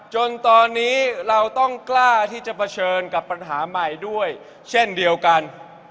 จนตอนนี้เราต้องกล้าที่จะเผชิญกับปัญหาใหม่ด้วยเช่นเดียวกัน